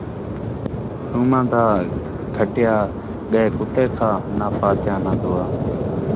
شوماں دا کھٹیا ڳئے کتے کھا ، ناں فاتحہ ناں دعا